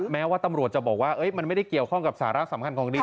แม้ว่าตำรวจจะบอกว่ามันไม่ได้เกี่ยวข้องกับสาระสำคัญของดี